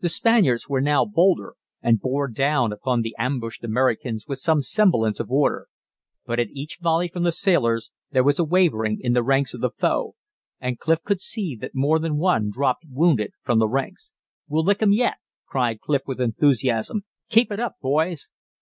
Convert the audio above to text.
The Spaniards were now bolder and bore down upon the ambushed Americans with some semblance of order. But at each volley from the sailors there was a wavering in the ranks of the foe, and Clif could see that more than one dropped wounded from the ranks. "We'll lick 'em yet!" cried Clif, with enthusiasm. "Keep it up, boys!"